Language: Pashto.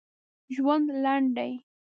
ژوند لنډ دی.